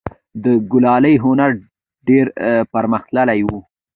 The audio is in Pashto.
د کلالي هنر ډیر پرمختللی و